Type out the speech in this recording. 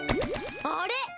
あれ？